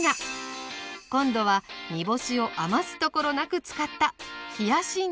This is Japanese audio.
今度は煮干しを余すところなく使った冷やし煮干しうどんです。